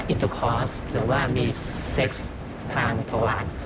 อินเตอร์คอร์สหรือว่ามีเซ็กซ์ทางขวาน